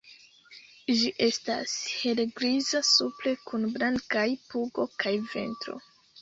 Ĝi estas helgriza supre kun blankaj pugo kaj ventro.